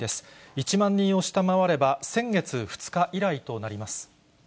１万人を下回れば、先月２日以来となります。